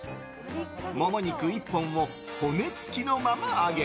モモ肉１本を骨付きのまま揚げ